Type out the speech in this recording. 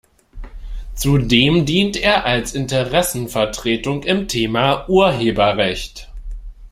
Zudem dient er als Interessenvertretung im Thema Urheberrecht.